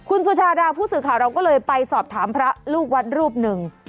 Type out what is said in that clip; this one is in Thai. คุณสุชาดาผู้สื่อข่าวเราก็เลยไปสอบถามพระลูกวัดรูปหนึ่ง